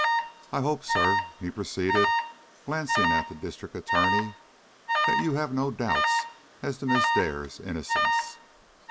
I hope, sir," he proceeded, glancing at the District Attorney, "that you have no doubts as to Miss Dare's innocence?"